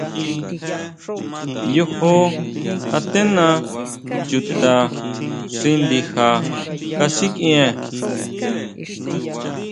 Yojo antena chuta xi ndija kasikʼien.